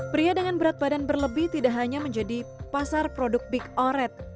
pria dengan berat badan berlebih tidak hanya menjadi pasar produk big oret